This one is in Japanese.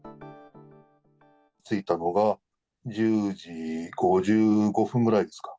着いたのが１０時５５分ぐらいですか。